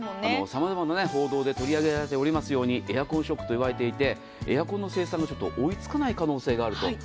様々な報道で取り上げられていますようにエアコンショックといわれていてエアコンの生産がちょっと追いつかない可能性があると。